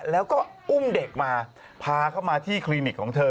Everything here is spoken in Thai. แล้วก็อุ้มเด็กมาพาเข้ามาที่คลินิกของเธอ